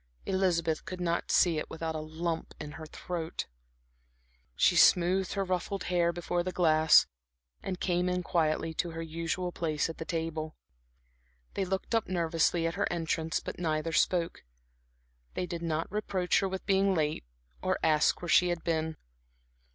Elizabeth could not see it without a lump in her throat. She smoothed her ruffled hair before the glass and came in quietly to her usual place at the table. They looked up nervously at her entrance, but neither spoke; they did not reproach her with being late or ask where she had been.